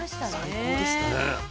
最高でした。